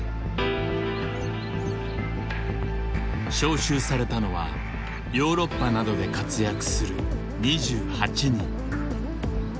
招集されたのはヨーロッパなどで活躍する２８人。